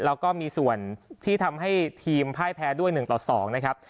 แล้วก็มีส่วนที่ทำให้ทีมพ่ายแพ้ด้วย๑ต่อ๒นะครับ